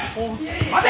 待て！